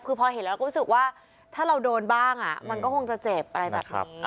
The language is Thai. คือพอเห็นแล้วก็รู้สึกว่าถ้าเราโดนบ้างมันก็คงจะเจ็บอะไรแบบนี้